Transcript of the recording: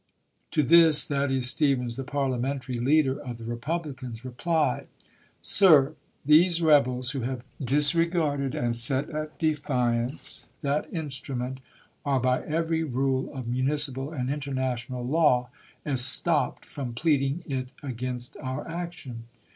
382 ABKAHAM LINCOLN Chap. XXI. To tMs Thaddeus Stevens, the parliamentary leader of the Eepublicans, replied : Sir, these rebels, who have disregarded and set at de fiance that instrument, are by every rule of municipal and international law estopped from pleading it against our action.